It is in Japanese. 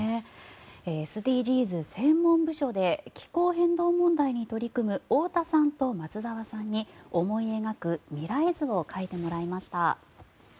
ＳＤＧｓ専門部署で気候変動問題に取り組む太田さんと松澤さんに思い描く未来図を描いてもらいました。